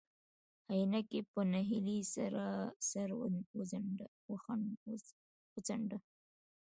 عينکي په نهيلۍ سر وڅنډه.